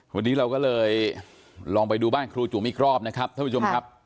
วันนี้เราก็เลยลองไปดูบ้านครูจุ๋มอีกรอบนะครับท่านผู้ชมครับ